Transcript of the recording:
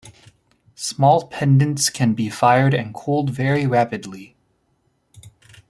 Small pendants can be fired and cooled very rapidly.